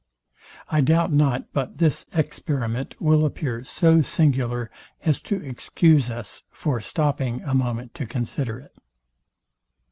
I doubt not but this experiment will appear so singular as to excuse us for stopping a moment to consider it.